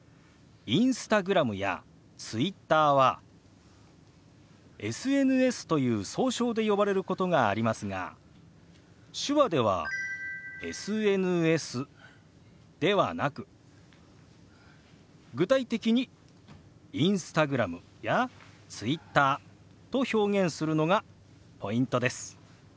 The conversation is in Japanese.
ＩｎｓｔａｇｒａｍやＴｗｉｔｔｅｒはＳＮＳという総称で呼ばれることがありますが手話では「ＳＮＳ」ではなく具体的に「Ｉｎｓｔａｇｒａｍ」や「Ｔｗｉｔｔｅｒ」と表現するのがポイントです。